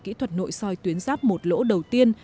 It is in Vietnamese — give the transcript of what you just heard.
kỹ thuật nội soi tuyến ráp một lỗ đầu tiên